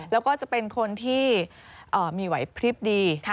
แล้วก็จะเป็นคนที่มีไหวพลิบดี